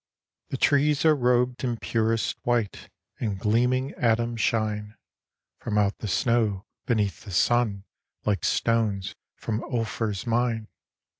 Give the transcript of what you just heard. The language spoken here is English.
The trees are rob'd in purest white, And gleaming atoms shine From out the snow, beneath the sun, Like stones from Ophir's mine.